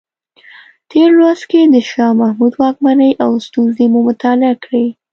تېر لوست کې د شاه محمود واکمنۍ او ستونزې مو مطالعه کړې.